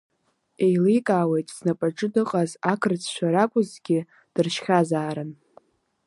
Еиликаауеит знапаҿы дыҟаз ақырҭцәа ракәызҭгьы, дыршьхьазаарын.